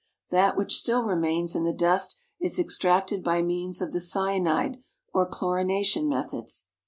That which still remains in the dust is extracted by means of the cyanide or chlorination methods.